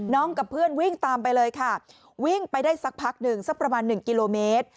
กับเพื่อนวิ่งตามไปเลยค่ะวิ่งไปได้สักพักหนึ่งสักประมาณ๑กิโลเมตร